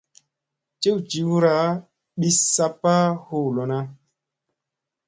Ciciwra bis saɓpa huu lona.